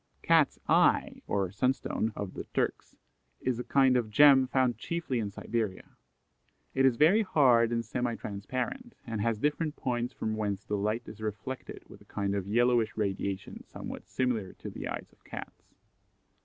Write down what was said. Cat's eye or Sun stone of the Turks is a kind of gem found chiefly in Siberia. It is very hard and semi transparent, and has different points from whence the light is reflected with a kind of yellowish radiation somewhat similar to the eyes of cats.